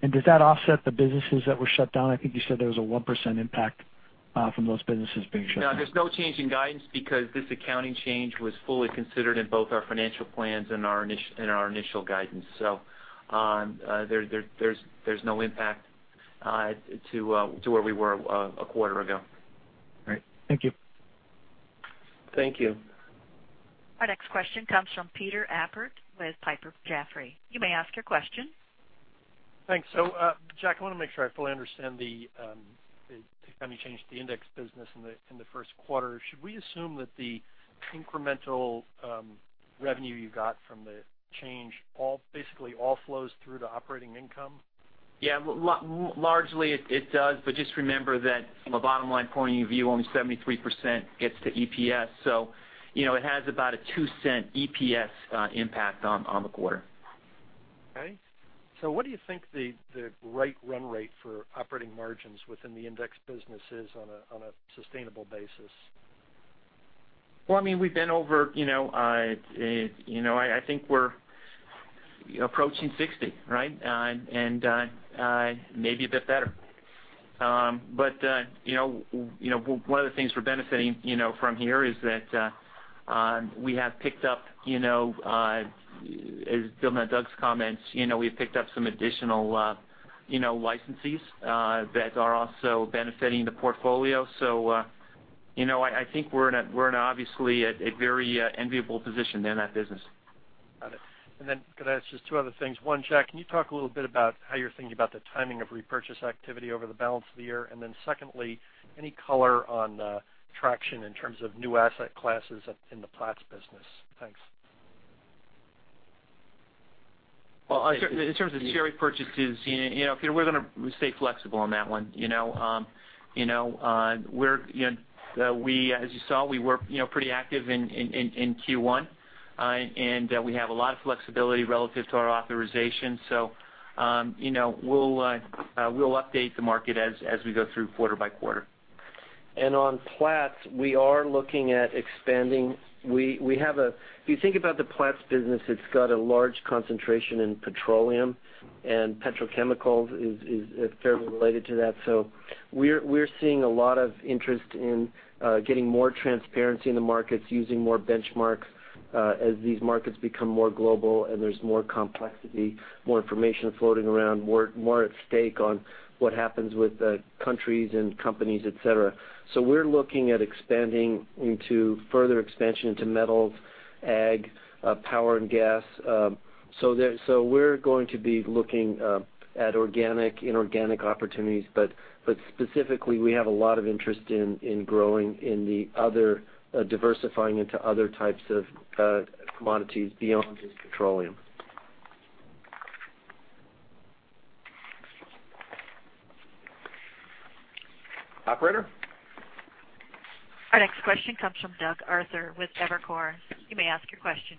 Does that offset the businesses that were shut down? I think you said there was a 1% impact from those businesses being shut down. No, there's no change in guidance because this accounting change was fully considered in both our financial plans and our initial guidance. There's no impact to where we were a quarter ago. All right. Thank you. Thank you. Our next question comes from Peter Appert with Piper Jaffray. You may ask your question. Thanks. Jack, I want to make sure I fully understand the accounting change to the index business in the first quarter. Should we assume that the incremental revenue you got from the change basically all flows through to operating income? Yeah. Largely it does, but just remember that from a bottom-line point of view, only 73% gets to EPS. It has about a $0.02 EPS impact on the quarter. Okay. What do you think the right run rate for operating margins within the index business is on a sustainable basis? Well, I think we're approaching 60%, right? Maybe a bit better. One of the things we're benefiting from here is that we have picked up, as Bill and Doug's comments, we've picked up some additional licensees that are also benefiting the portfolio. I think we're in obviously a very enviable position in that business. Got it. Could I ask just two other things? One, Jack, can you talk a little bit about how you're thinking about the timing of repurchase activity over the balance of the year? Secondly, any color on traction in terms of new asset classes in the Platts business? Thanks. Well, in terms of share repurchases, we're going to stay flexible on that one. As you saw, we were pretty active in Q1. We have a lot of flexibility relative to our authorization. We'll update the market as we go through quarter by quarter. On Platts, we are looking at expanding. If you think about the Platts business, it's got a large concentration in petroleum. Petrochemicals is fairly related to that. We're seeing a lot of interest in getting more transparency in the markets, using more benchmarks as these markets become more global. There's more complexity, more information floating around, more at stake on what happens with countries and companies, et cetera. We're looking at expanding into further expansion into metals, ag, power and gas. We're going to be looking at organic, inorganic opportunities. Specifically, we have a lot of interest in growing in the other diversifying into other types of commodities beyond just petroleum. Operator? Our next question comes from Douglas Arthur with Evercore. You may ask your question.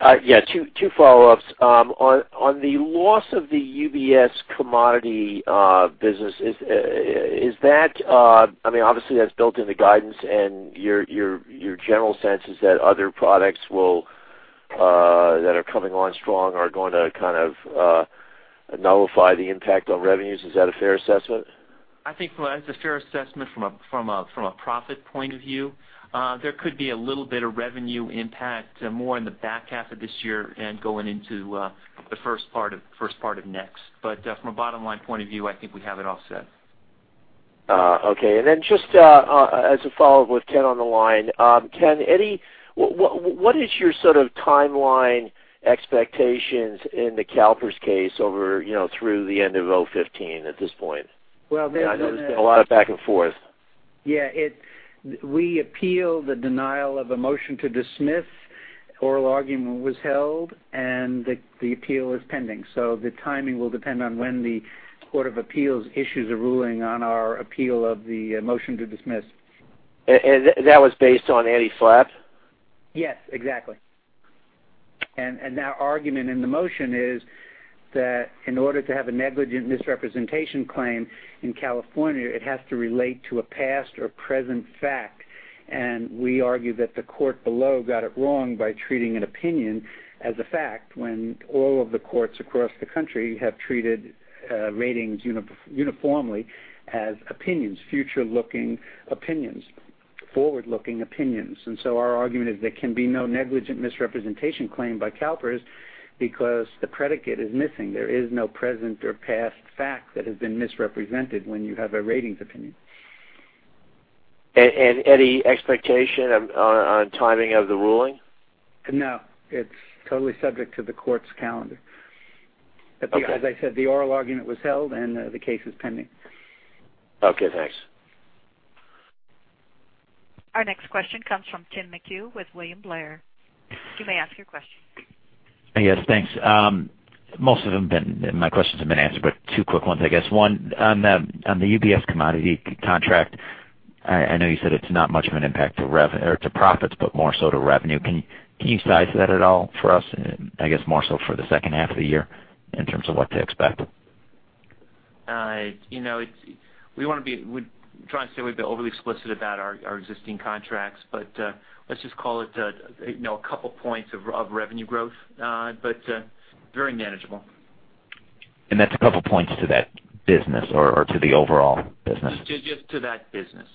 Yeah. Two follow-ups. On the loss of the UBS commodity business, obviously that's built in the guidance, and your general sense is that other products that are coming on strong are going to kind of nullify the impact on revenues. Is that a fair assessment? I think that's a fair assessment from a profit point of view. There could be a little bit of revenue impact more in the back half of this year and going into the first part of next. From a bottom-line point of view, I think we have it all set. Okay. Just as a follow-up with Ken on the line. Ken, what is your sort of timeline expectations in the CalPERS case over through the end of 2015 at this point? Well, there's been a- I know there's been a lot of back and forth. We appeal the denial of a motion to dismiss. Oral argument was held, the appeal is pending. The timing will depend on when the Court of Appeals issues a ruling on our appeal of the motion to dismiss. That was based on anti-SLAPP? Yes, exactly. Our argument in the motion is that in order to have a negligent misrepresentation claim in California, it has to relate to a past or present fact. We argue that the court below got it wrong by treating an opinion as a fact when all of the courts across the country have treated ratings uniformly as opinions, future-looking opinions, forward-looking opinions. Our argument is there can be no negligent misrepresentation claim by CalPERS because the predicate is missing. There is no present or past fact that has been misrepresented when you have a ratings opinion. Any expectation on timing of the ruling? No. It's totally subject to the court's calendar. Okay. As I said, the oral argument was held and the case is pending. Okay, thanks. Our next question comes from Timothy McHugh with William Blair. You may ask your question. Yes, thanks. Most of them, my questions have been answered, two quick ones, I guess. One, on the UBS commodity contract, I know you said it's not much of an impact to profits, more so to revenue. Can you size that at all for us? I guess more so for the second half of the year in terms of what to expect. We try not to be overly explicit about our existing contracts, let's just call it a couple points of revenue growth. Very manageable. That's a couple of points to that business or to the overall business? Just to that business.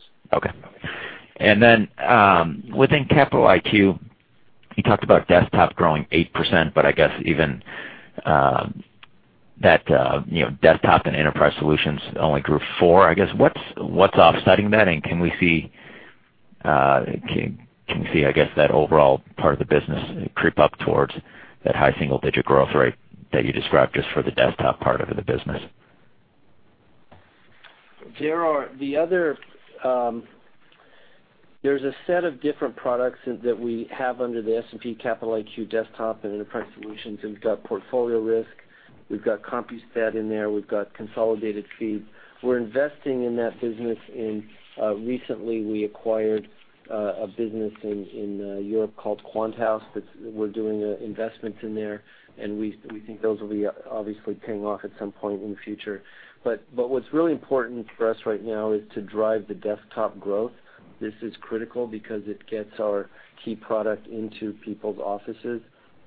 Within S&P Capital IQ, you talked about desktop growing 8%, but I guess even that desktop and enterprise solutions only grew 4%, I guess. What's offsetting that? Can we see, I guess, that overall part of the business creep up towards that high single-digit growth rate that you described just for the desktop part of the business? There's a set of different products that we have under the S&P Capital IQ desktop and enterprise solutions. We've got portfolio risk. We've got Compustat in there. We've got consolidated feed. We're investing in that business, and recently we acquired a business in Europe called QuantHouse. We're doing investments in there, and we think those will be obviously paying off at some point in the future. What's really important for us right now is to drive the desktop growth. This is critical because it gets our key product into people's offices,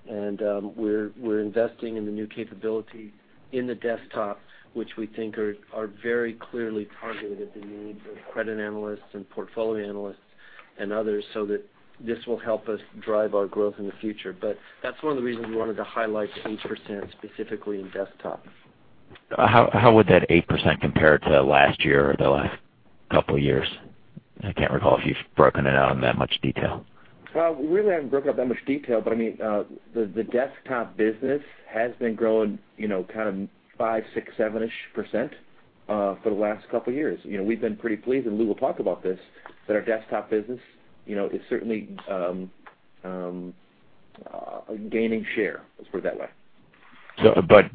and we're investing in the new capability in the desktop, which we think are very clearly targeted at the needs of credit analysts and portfolio analysts and others, so that this will help us drive our growth in the future. That's one of the reasons we wanted to highlight 8% specifically in desktop. How would that 8% compare to last year or the last couple of years? I can't recall if you've broken it out in that much detail. We really haven't broken out that much detail, but the desktop business has been growing kind of five, six, seven-ish % for the last couple of years. We've been pretty pleased, and Lou will talk about this, that our desktop business is certainly gaining share, let's put it that way.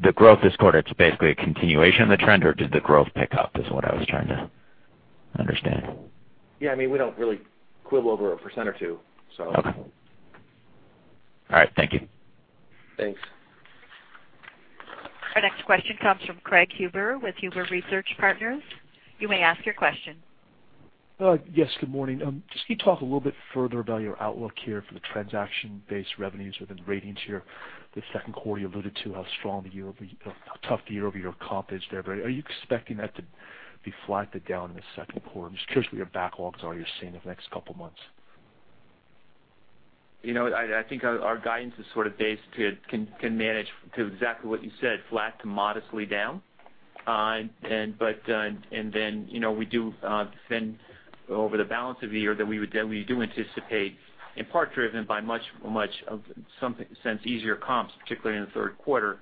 The growth this quarter, it's basically a continuation of the trend or did the growth pick up is what I was trying to understand? Yeah, we don't really quibble over a % or two. Okay. All right. Thank you. Thanks. Our next question comes from Craig Huber with Huber Research Partners. You may ask your question. Yes, good morning. Just can you talk a little bit further about your outlook here for the transaction-based revenues within ratings here? The second quarter you alluded to how tough the year-over-year comp is there. Are you expecting that to be flat to down in the second quarter? I'm just curious what your backlogs are you're seeing the next couple of months. I think our guidance is sort of based to exactly what you said, flat to modestly down. We do think over the balance of the year that we do anticipate, in part driven by much of something sense easier comps, particularly in the third quarter,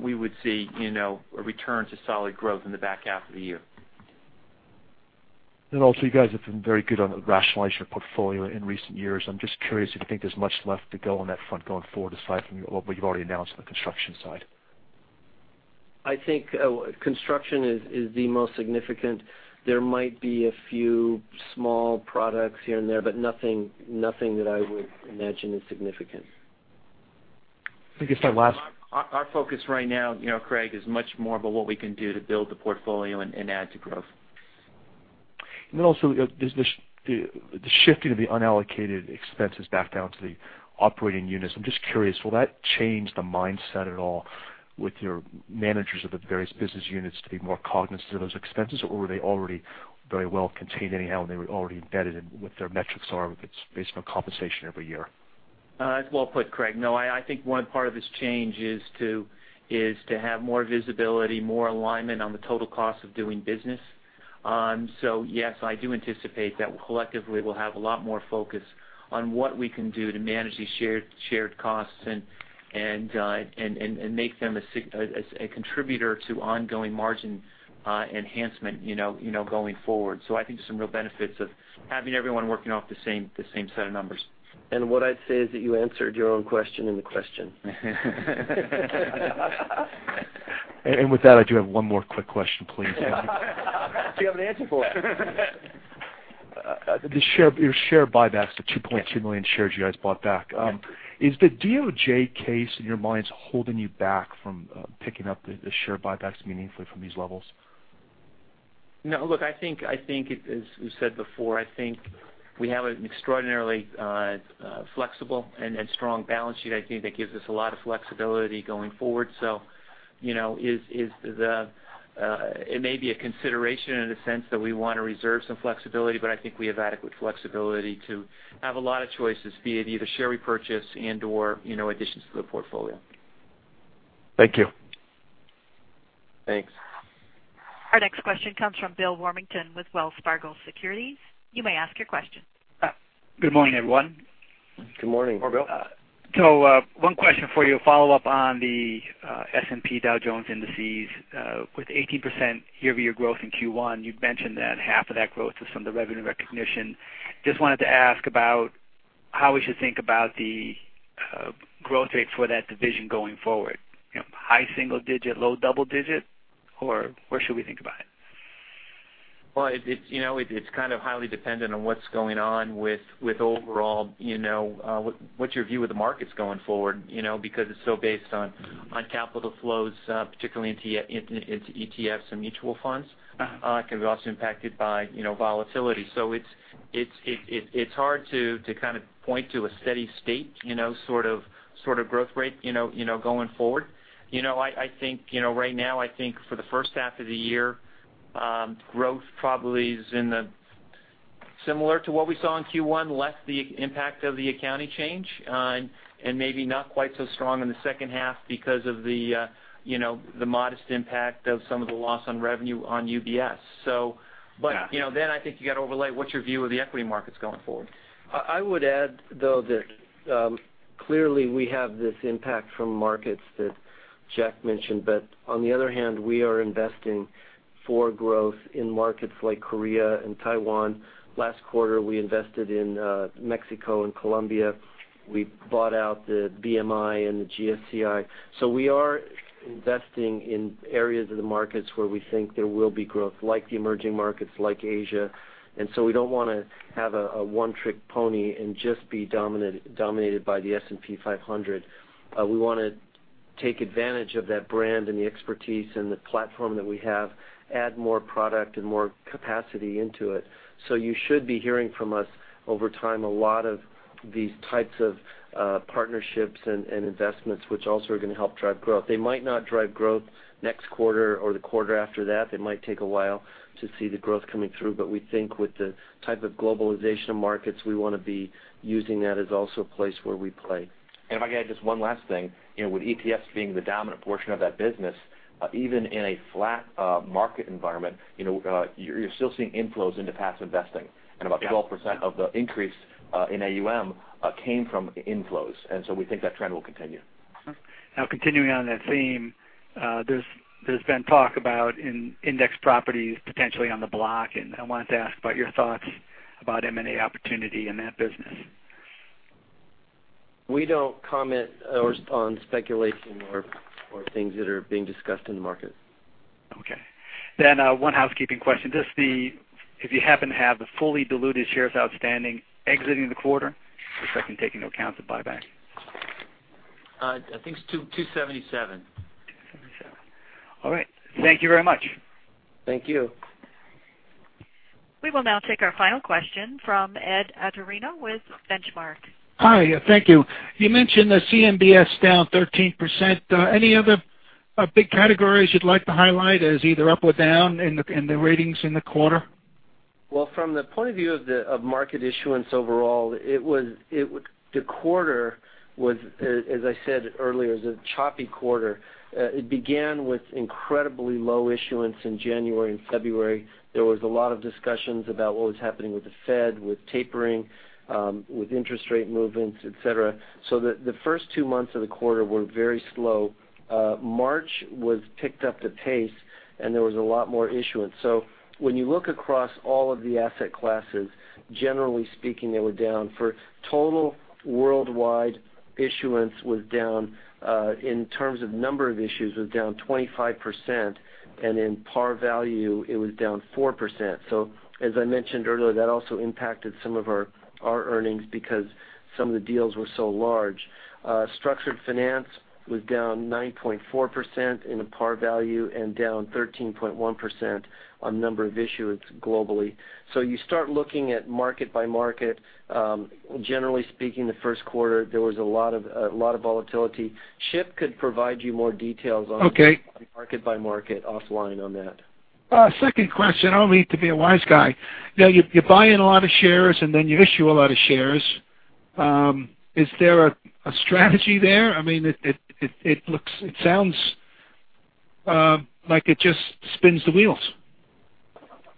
we would see a return to solid growth in the back half of the year. You guys have been very good on rationalizing your portfolio in recent years. I'm just curious if you think there's much left to go on that front going forward, aside from what you've already announced on the construction side. I think Construction is the most significant. There might be a few small products here and there, but nothing that I would imagine is significant. I think that's my last- Our focus right now, Craig, is much more about what we can do to build the portfolio and add to growth. The shifting of the unallocated expenses back down to the operating units. I'm just curious, will that change the mindset at all with your managers of the various business units to be more cognizant of those expenses? Were they already very well contained anyhow, and they were already embedded in what their metrics are if it's based on compensation every year? That's well put, Craig. I think one part of this change is to have more visibility, more alignment on the total cost of doing business. Yes, I do anticipate that collectively, we'll have a lot more focus on what we can do to manage these shared costs and make them a contributor to ongoing margin enhancement going forward. I think there's some real benefits of having everyone working off the same set of numbers. What I'd say is that you answered your own question in the question. With that, I do have one more quick question, please. I have an answer for it. Your share buybacks, the 2.2 million shares you guys bought back. Is the DOJ case, in your minds, holding you back from picking up the share buybacks meaningfully from these levels? No, look, as we said before, I think we have an extraordinarily flexible and strong balance sheet. I think that gives us a lot of flexibility going forward. It may be a consideration in the sense that we want to reserve some flexibility, but I think we have adequate flexibility to have a lot of choices, be it either share repurchase and/or additions to the portfolio. Thank you. Thanks. Our next question comes from William Warmington with Wells Fargo Securities. You may ask your question. Good morning, everyone. Good morning. Good morning, Bill. One question for you, a follow-up on the S&P Dow Jones Indices. With 18% year-over-year growth in Q1, you'd mentioned that half of that growth is from the revenue recognition. Just wanted to ask about how we should think about the growth rate for that division going forward. High single digit, low double digit, or where should we think about it? It's kind of highly dependent on what's going on with overall, what's your view of the markets going forward, because it's so based on capital flows, particularly into ETFs and mutual funds. It can be also impacted by volatility. It's hard to kind of point to a steady state sort of growth rate going forward. Right now, I think for the first half of the year, growth probably is similar to what we saw in Q1, less the impact of the accounting change, and maybe not quite so strong in the second half because of the modest impact of some of the loss on revenue on UBS. I think you got to overlay what's your view of the equity markets going forward. I would add, though, that clearly we have this impact from markets that Jack mentioned. On the other hand, we are investing for growth in markets like Korea and Taiwan. Last quarter, we invested in Mexico and Colombia. We bought out the BMI and the [GFCI]. We are investing in areas of the markets where we think there will be growth, like the emerging markets, like Asia. We don't want to have a one-trick pony and just be dominated by the S&P 500. We want to take advantage of that brand and the expertise and the platform that we have, add more product and more capacity into it. You should be hearing from us over time, a lot of these types of partnerships and investments, which also are going to help drive growth. They might not drive growth next quarter or the quarter after that. It might take a while to see the growth coming through. We think with the type of globalization of markets, we want to be using that as also a place where we play. If I could add just one last thing. With ETFs being the dominant portion of that business, even in a flat market environment, you're still seeing inflows into passive investing. About 12% of the increase in AUM came from inflows, we think that trend will continue. Continuing on that theme, there's been talk about index properties potentially on the block, and I wanted to ask about your thoughts about M&A opportunity in that business. We don't comment on speculation or things that are being discussed in the market. Okay. One housekeeping question. If you happen to have the fully diluted shares outstanding exiting the quarter, just checking, taking into account the buyback. I think it's 277. All right. Thank you very much. Thank you. We will now take our final question from Ed Atorino with Benchmark. Hi. Thank you. You mentioned the CMBS down 13%. Any other big categories you'd like to highlight as either up or down in the ratings in the quarter? Well, from the point of view of market issuance overall, the quarter, as I said earlier, was a choppy quarter. It began with incredibly low issuance in January and February. There was a lot of discussions about what was happening with the Fed, with tapering, with interest rate movements, et cetera. The first two months of the quarter were very slow. March picked up the pace, and there was a lot more issuance. When you look across all of the asset classes, generally speaking, they were down. For total worldwide issuance was down, in terms of number of issues, it was down 25%, and in par value, it was down 4%. As I mentioned earlier, that also impacted some of our earnings because some of the deals were so large. Structured finance was down 9.4% in the par value and down 13.1% on number of issuance globally. You start looking at market by market. Generally speaking, the first quarter, there was a lot of volatility. Chip could provide you more details on- Okay market by market offline on that. Second question, I don't mean to be a wise guy. You're buying a lot of shares and then you issue a lot of shares. Is there a strategy there? It sounds like it just spins the wheels.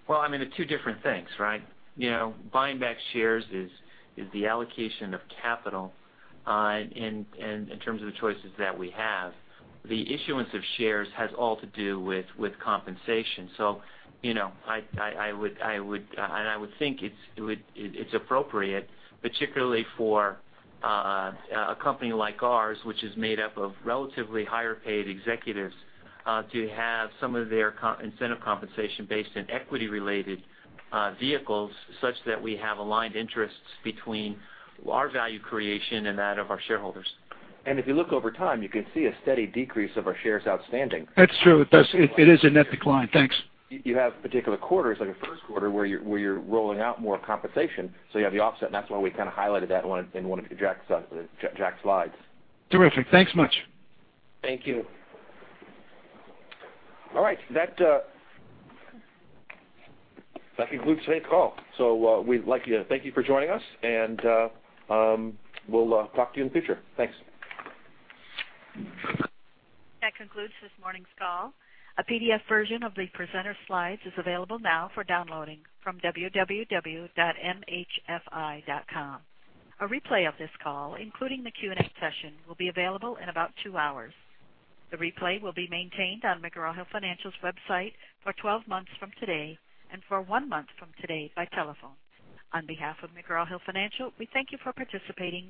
Well, they're two different things, right? Buying back shares is the allocation of capital in terms of the choices that we have. The issuance of shares has all to do with compensation. I would think it's appropriate, particularly for a company like ours, which is made up of relatively higher-paid executives, to have some of their incentive compensation based in equity-related vehicles, such that we have aligned interests between our value creation and that of our shareholders. If you look over time, you can see a steady decrease of our shares outstanding. That's true. It is a net decline. Thanks. You have particular quarters, like in first quarter, where you're rolling out more compensation, so you have the offset. That's why we kind of highlighted that in one of Jack's slides. Terrific. Thanks much. Thank you. All right. That concludes today's call. We'd like to thank you for joining us, and we'll talk to you in the future. Thanks. That concludes this morning's call. A PDF version of the presenter slides is available now for downloading from www.mhfi.com. A replay of this call, including the Q&A session, will be available in about two hours. The replay will be maintained on McGraw Hill Financial's website for 12 months from today and for one month from today by telephone. On behalf of McGraw Hill Financial, we thank you for participating.